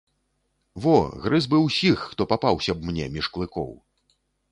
Во, грыз бы ўсіх, хто папаўся б мне між клыкоў.